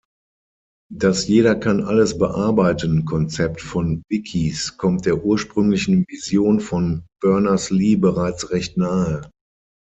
Das „Jeder-kann-alles-bearbeiten“-Konzept von Wikis kommt der ursprünglichen Vision von Berners-Lee bereits recht nahe.